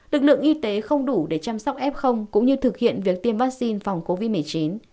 lực lượng y tế không đủ để chăm sóc f cũng như thực hiện việc tiêm vaccine phòng covid một mươi chín